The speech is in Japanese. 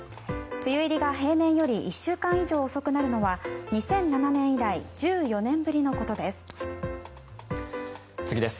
梅雨入りが平年より１週間以上遅くなるのは２００７年以来１４年ぶりのことです。